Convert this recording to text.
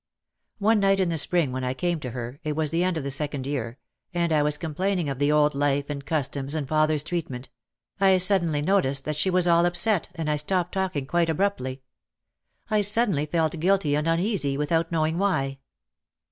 One night in the spring when I came to her — it was the end of the second year, and I was complaining of the old life and customs and father's treatment — I suddenly noticed that she was all upset and I stopped talking quite abruptly. I suddenly felt guilty and uneasy without knowing why.